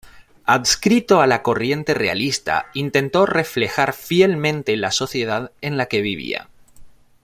Adscrito a la corriente realista, intentó reflejar fielmente la sociedad en la que vivía.